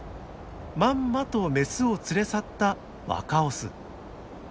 まんまとメスを連れ去った若オス。